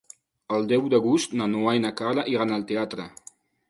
El deu d'agost na Noa i na Carla iran al teatre.